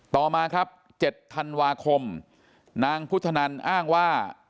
ต่อมาครับ๗ธันวาคมนางพุทธนันอ้างว่า